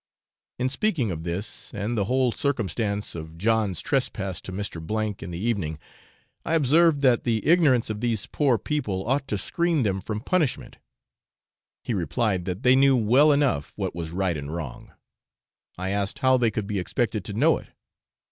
In speaking of this and the whole circumstance of John's trespass to Mr. in the evening, I observed that the ignorance of these poor people ought to screen them from punishment. He replied, that they knew well enough what was right and wrong. I asked how they could be expected to know it?